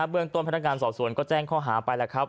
เรื่องต้นพนักงานสอบสวนก็แจ้งข้อหาไปแล้วครับ